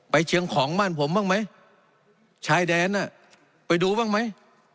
เชียงของบ้านผมบ้างไหมชายแดนน่ะไปดูบ้างไหม